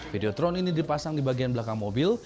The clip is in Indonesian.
video drone ini dipasang di bagian belakang mobil